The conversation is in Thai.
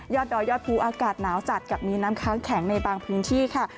ดอยยอดภูอากาศหนาวจัดกับมีน้ำค้างแข็งในบางพื้นที่ค่ะ